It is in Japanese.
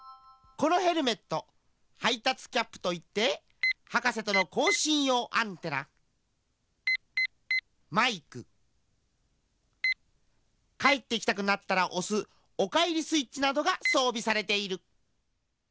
このヘルメットはいたつキャップといってはかせとのこうしんようアンテナマイクかえってきたくなったらおすおかえりスイッチなどがそうびされている。